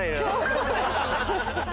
ハハハ！